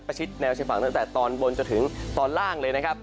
ชิดแนวชายฝั่งตั้งแต่ตอนบนจนถึงตอนล่างเลยนะครับ